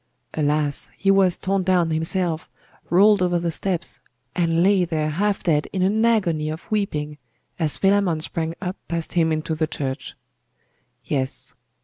Alas! he was torn down himself, rolled over the steps, and lay there half dead in an agony of weeping, as Philammon sprang up past him into the church. Yes.